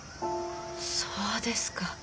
そうですか。